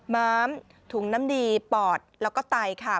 ม้ามถุงน้ำดีปอดแล้วก็ไตค่ะ